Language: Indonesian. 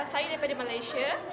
saya dari malaysia